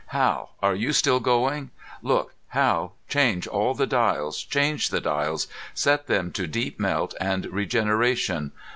"Hal, are you still going? Look, Hal, change all the dials, change the dials, set them to deep melt and regeneration.